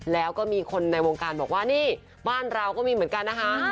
แล้วก็มีคนในวงการบอกว่านี่บ้านเราก็มีเหมือนกันนะคะ